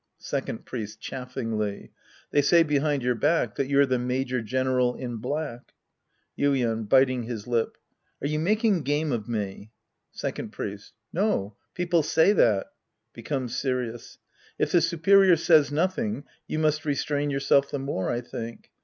Second Priest {chaffingly) . They say behind your back that you're the major general in black. Yuien {biting his lip). Are you making game of me? Second Priest. No, people say that. {Becomes serious.) If the superior says nothing, you must restrain yourself the more, I think.